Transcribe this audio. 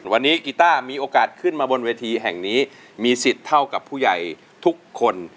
วันนี้กีต้ามีโอกาสขึ้นมาบนเวทีแห่งนี้มีสิทธิ์เท่ากับผู้ใหญ่ทุกคน